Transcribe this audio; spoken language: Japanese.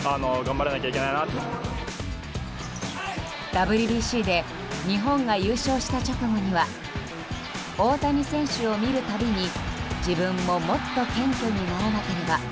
ＷＢＣで日本が優勝した直後には大谷選手を見るたびに自分ももっと謙虚にならなければ。